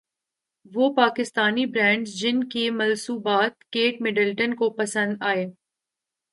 وہ پاکستانی برانڈز جن کے ملبوسات کیٹ مڈلٹن کو پسند ائے